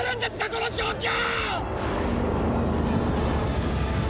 この状況！